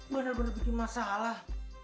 bener bener bikin masalah